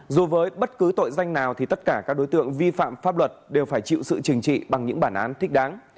dù với bất cứ tội danh nào thì tất cả các đối tượng vi phạm pháp luật đều phải chịu sự trừng trị bằng những bản án thích đáng